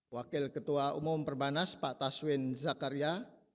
wakil ketua umum perbanas pak taswin zakaria